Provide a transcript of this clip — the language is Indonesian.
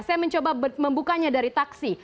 saya mencoba membukanya dari taksi